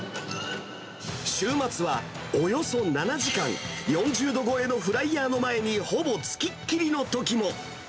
週末はおよそ７時間、４０度超えのフライヤーの前に、ほぼつきっきりのときも。